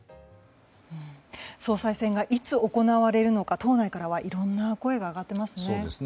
総裁選がいつ行われるのか党内からはいろんな声が上がっていますね。